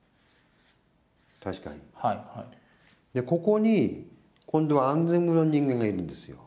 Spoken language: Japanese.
ここに、今度は安全部の人間がいるんですよ。